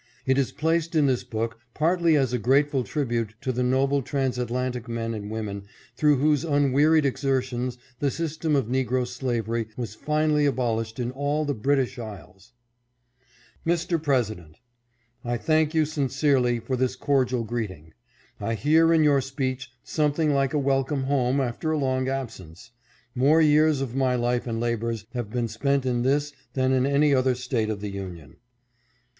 It is placed in this book partly as a grateful tribute to the noble transatlantic men and women through whose unwearied exertions the system of negro slavery was finally abolished in all the British Isles : Mr. President :— I thank you sincerely for this cordial greeting. I hear in your speech something like a wel come home after a long absence. More years of my life and labors have been spent in this than in any other State of the Union.